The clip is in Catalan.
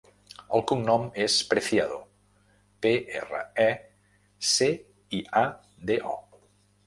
El cognom és Preciado: pe, erra, e, ce, i, a, de, o.